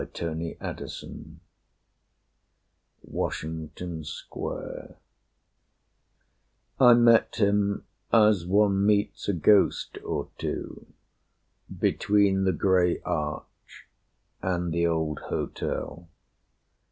Old Trails (Washington Square) I met him, as one meets a ghost or two, Between the gray Arch and the old Hotel.